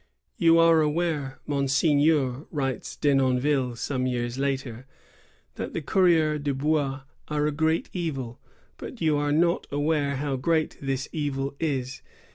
"^ "You are aware, Mon seigneur," writes Denonville, some years later, "that the coureurs de hois are a great evil, but you are not aware how great this evil is.